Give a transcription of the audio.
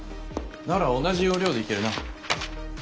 なら同じ要領でいけるな。